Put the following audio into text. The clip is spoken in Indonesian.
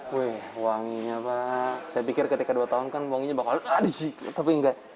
weh wanginya pak saya pikir ketika dua tahun kan wanginya bakal ada sih tapi enggak